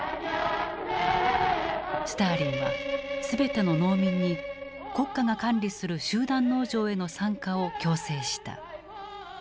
スターリンは全ての農民に国家が管理する集団農場への参加を強制した。